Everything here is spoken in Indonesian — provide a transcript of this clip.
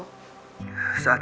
lalu apa yang terjadi setelah itu